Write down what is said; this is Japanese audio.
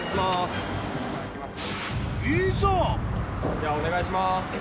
・じゃあお願いします。